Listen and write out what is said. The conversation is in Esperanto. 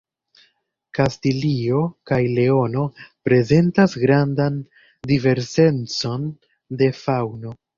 Kastilio kaj Leono prezentas grandan diversecon de faŭno.